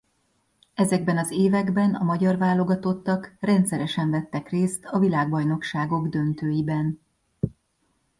Ezekben az években a magyar válogatottak rendszeresen vettek részt a világbajnokságok döntőiben.